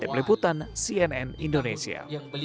dari peliputan cnn indonesia